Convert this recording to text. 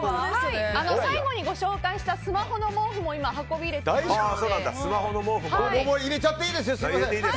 最後に紹介したスマホの毛布も運び入れていますので。